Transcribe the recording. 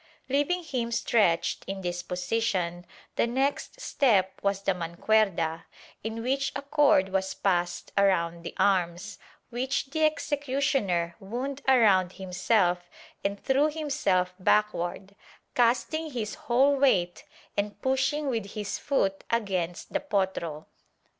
Leaving him stretched in this posi tion, the next step was the mancuerda, in which a cord was passed around the arms, which the executioner wound around himself and threw himself backward, casting his whole weight and pushing with his foot against the potro.